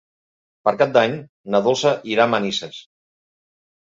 Per Cap d'Any na Dolça irà a Manises.